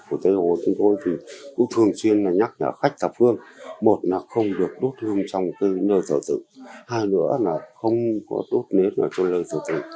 ở tây hồ chúng tôi cũng thường xuyên nhắc khách tập hương một là không được đốt hương trong nơi thờ tự hai nữa là không có đốt nếp trong nơi thờ tự